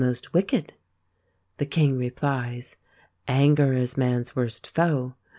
wicked ? The King replies: Anger is man's worst foe.